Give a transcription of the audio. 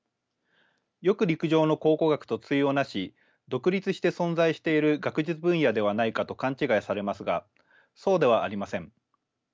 よく陸上の考古学と対をなし独立して存在している学術分野ではないかと勘違いされますがそうではありません。